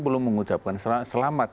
belum mengucapkan selamat